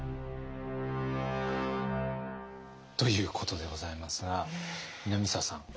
ということでございますが南沢さん。